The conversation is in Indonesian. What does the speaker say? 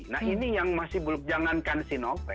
nah ini yang masih jangankan sinovac